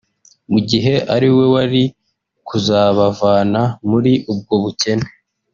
mu gihe ari we wari kuzabavana muri ubwo bukene